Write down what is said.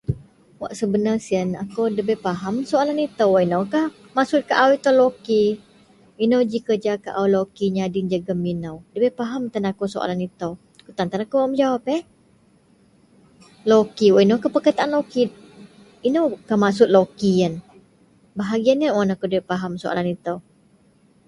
wak sebenar sien akou dabai faham soalan itou, wak inokah maksud kaau itou loki, inou ji kerja au loki nyadin jegum inou dabei faham tan akou soalan itou kutan tan akou bak menjawab yeh, loki inoukah perkataan loki, inoukah maksud loki ien ,bahagian ien un akou da faham soalan itou